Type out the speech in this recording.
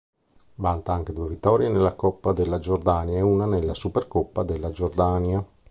Vanta anche due vittorie nella Coppa della Giordania e una nella Supercoppa della Giordania.